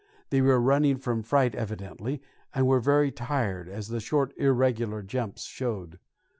They were running from fright evidently, and were very tired, as the short irregular jumps showed.